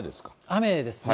雨ですね。